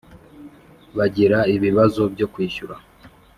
Bagira ibibazo byo kwishyura